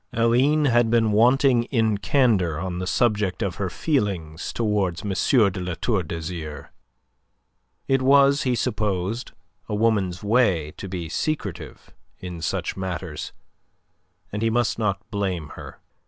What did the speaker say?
Aline had been wanting in candour on the subject of her feelings towards M. de La Tour d'Azyr. It was, he supposed, a woman's way to be secretive in such matters, and he must not blame her.